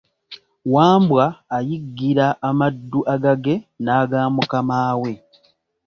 Wambwa ayiggira amaddu agage n'agamukamaawe.